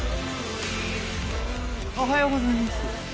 おはようございます。